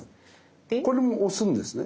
これも押すんですね？